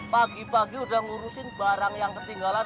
pagi pagi udah ngurusin barang yang ketinggalan